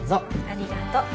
ありがとう。